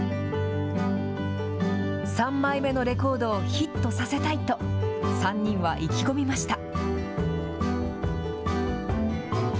３枚目のレコードをヒットさせたいと、３人は意気込みました。